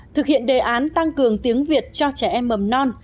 thực hiện đề án tăng cường tiếng việt cho trẻ em mầm non